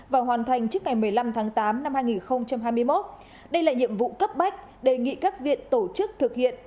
và hoàn thành trước ngày một mươi năm tháng tám năm hai nghìn hai mươi một đây là nhiệm vụ cấp bách đề nghị các viện tổ chức thực hiện